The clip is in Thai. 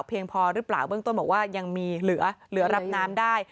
พอหรือเปล่าเบื้องต้นบอกว่ายังมีเหลือรับน้ำได้